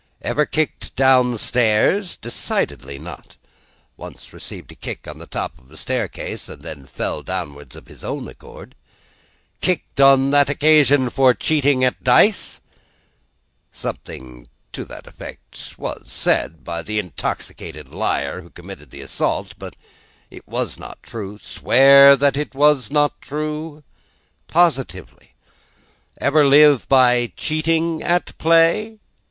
Ever kicked downstairs? Decidedly not; once received a kick on the top of a staircase, and fell downstairs of his own accord. Kicked on that occasion for cheating at dice? Something to that effect was said by the intoxicated liar who committed the assault, but it was not true. Swear it was not true? Positively. Ever live by cheating at play?